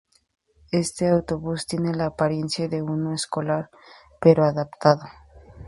Este autobús tiene la apariencia de uno escolar, pero adaptado.